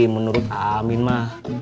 menurut amin mah